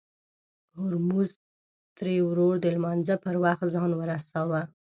هورموز تري ورور د لمانځه پر وخت ځان ورساوه.